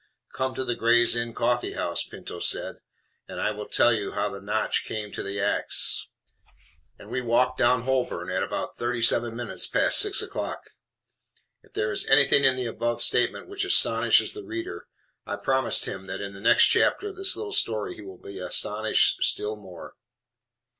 "Come to the 'Gray's Inn Coffee House,'" Pinto said, "and I will tell you how the notch came to the ax." And we walked down Holborn at about thirty seven minutes past six o'clock. If there is anything in the above statement which astonishes the reader, I promise him that in the next chapter of this little story he will be astonished still more.